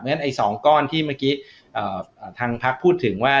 เพราะฉะนั้นไอ้๒ก้อนที่เมื่อกี้ทางพักพูดถึงว่า